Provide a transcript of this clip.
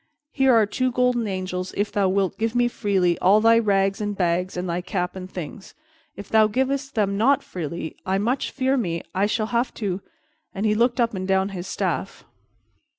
Here are two golden angels if thou wilt give me freely all thy rags and bags and thy cap and things. If thou givest them not freely, I much fear me I shall have to " and he looked up and down his staff.